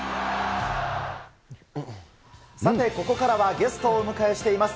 さて、ここからはゲストをお迎えしています。